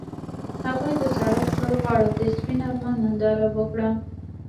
هغوی د سړک پر غاړه د سپین آرمان ننداره وکړه.